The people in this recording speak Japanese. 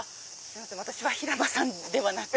私は平間さんではなくって。